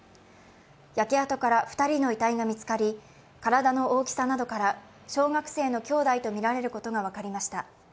焼け跡から２人の遺体が見つかり、体の大きさなどから小学生のきょうだいとみられることが分かりました。